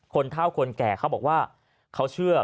เท่าคนแก่เขาบอกว่าเขาเชื่อ